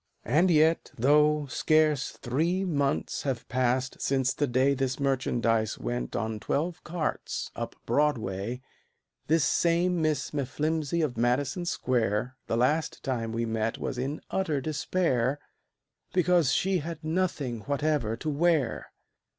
And yet, though scarce three months have passed since the day This merchandise went, on twelve carts, up Broadway, This same Miss M'Flimsey of Madison Square, The last time we met was in utter despair, Because she had nothing whatever to wear!